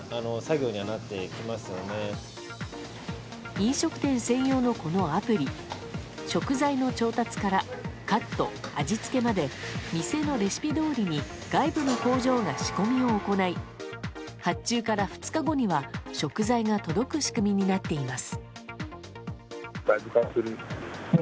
飲食店専用の、このアプリ食材の調達からカット、味付けまで店のレシピどおりに外部の工場が仕込みを行い発注から２日後には食材が届く仕組みになっています。